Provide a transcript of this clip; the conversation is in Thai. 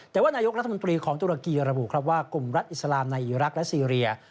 แต่ว่านายกรัฐมนตรีของตุรกีระบุครับว่ากลุ่มรัฐอิสลามในอีรักษ์และซีเรีย